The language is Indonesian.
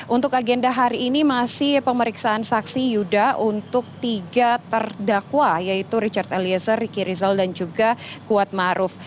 untuk agenda hari ini masih pemeriksaan saksi yuda untuk tiga terdakwa yaitu richard eliezer ricky rizal dan juga kuat maruf